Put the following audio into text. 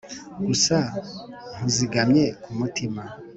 Gusa nkuzigamye ku mutima,